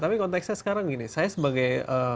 tapi konteksnya sekarang gini saya sebagai